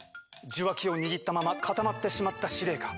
受話器を握ったまま固まってしまった司令官。